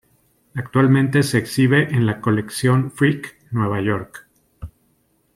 Actualmente se exhibe en la Colección Frick, Nueva York.